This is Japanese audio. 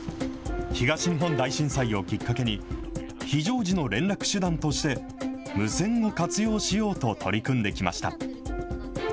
東日本大震災をきっかけに、非常時の連絡手段として、無線を活用しようと取り組んできました。